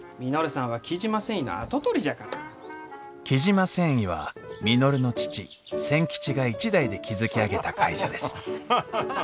雉真繊維は稔の父千吉が一代で築き上げた会社です。